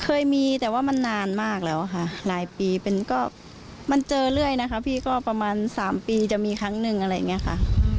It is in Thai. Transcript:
เคยมีแต่ว่ามันนานมากแล้วค่ะหลายปีเป็นก็มันเจอเรื่อยนะคะพี่ก็ประมาณ๓ปีจะมีครั้งหนึ่งอะไรอย่างนี้ค่ะ